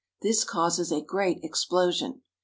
This causes a great explosion.